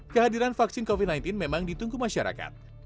kehadiran vaksin covid sembilan belas memang ditunggu masyarakat